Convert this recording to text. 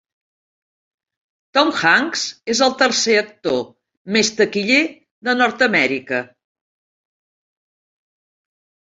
Tom Hanks és el tercer actor més taquiller de Nord-amèrica.